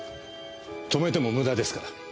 止めても無駄ですから。